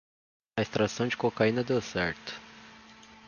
A extração da cocaína deu certo